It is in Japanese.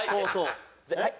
はい？